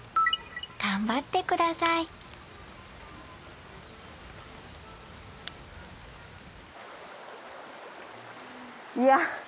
頑張ってくださいいや。